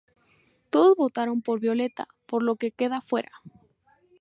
Todos votaron por Violeta, por lo que queda fuera.